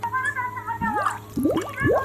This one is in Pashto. زه به سبا تمرين کوم!